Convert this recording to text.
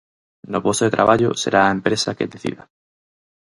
No posto de traballo será a empresa a que decida.